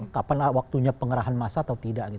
kapan waktunya pengerahan masa atau tidak